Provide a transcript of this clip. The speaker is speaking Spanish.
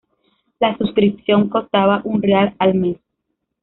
La suscripción costaba un real al mes.